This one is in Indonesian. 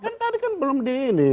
kan tadi kan belum di ini